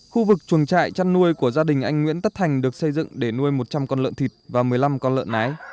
khu vực chuồng trại chăn nuôi của gia đình anh nguyễn tất thành được xây dựng để nuôi một trăm linh con lợn thịt và một mươi năm con lợn nái